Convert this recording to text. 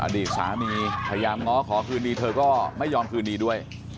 อดีตสามีพยายามง้อขอคืนดีเธอก็ไม่ยอมคืนดีด้วย